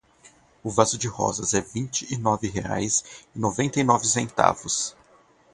O vaso de rosas é vinte e nove reais e noventa e nove centavos.